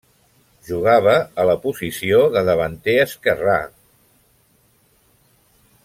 Jugava a la posició de davanter esquerrà.